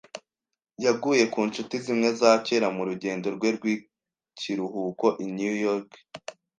Yaguye ku nshuti zimwe za kera mu rugendo rwe rw'ikiruhuko i New York.